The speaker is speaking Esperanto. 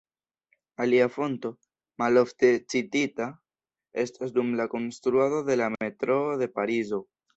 Alia fonto, malofte citita, estas dum la konstruado de la metroo de Parizo.